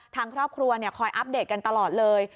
ทางครอบครัวคอยอัปเดตกันตลอดเลย